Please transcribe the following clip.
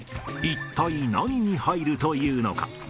一体何に入るというのか。